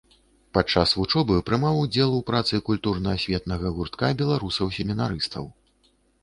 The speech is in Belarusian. Падчас вучобы прымаў удзел у працы культурна-асветнага гуртка беларусаў-семінарыстаў.